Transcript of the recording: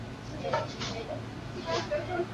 小毛猬包括以下亚种